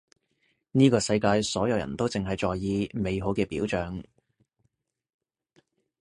呢個世界所有人都淨係在意美好嘅表象